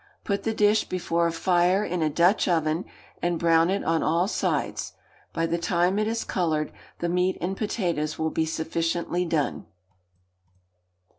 Put the dish before a fire in a Dutch oven, and brown it on all sides; by the time it is coloured, the meat and potatoes will be sufficiently done.